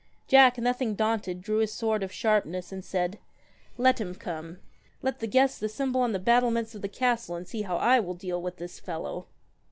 Jack, nothing daunted, drew his sword of sharp ness, and said, ' Let him come ! Let the guests assemble on the battlements of the castle and see how I will deal with this fellow.'